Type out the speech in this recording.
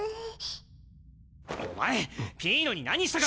お前ピーノに何したか。